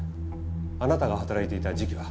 あなたが働いていた時期は？